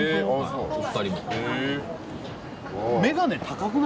お二人も。